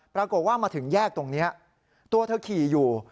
ปรากฏว่ามาถึงแยกตรงนี้ตัวเธอขี่อยู่